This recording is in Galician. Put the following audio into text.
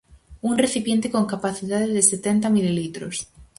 Un recipiente con capacidade de setenta mililitros.